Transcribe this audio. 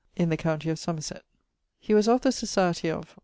in the countie of Somerset. He was of the Societie of